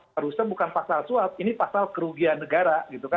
harusnya bukan pasal suap ini pasal kerugian negara